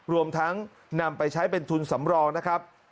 รวมทั้งนำไปใช้เป็นทุนสำรองนะครับ